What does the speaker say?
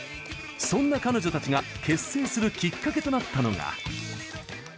そんな彼女たちが結成するきっかけとなったのが。